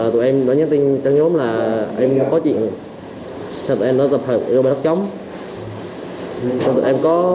quay lại trung bình h terre và hãy cùng truy cập xem màu đỏ nhất của công tác